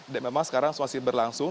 dan memang sekarang masih berlangsung